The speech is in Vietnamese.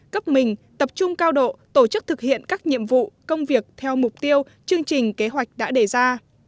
cấp mình tập trung cao độ tổ chức thực hiện các nhiệm vụ công việc theo mục tiêu chương trình kế hoạch đã đề ra